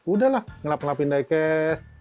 udahlah ngelap ngelapin diecast